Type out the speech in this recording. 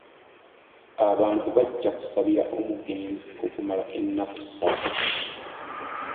Abantu bajja kusabira omugenzi okumala ennaku ssatu.